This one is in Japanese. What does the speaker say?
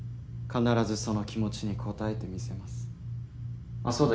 必ずその気持ちに応えてみせますあっ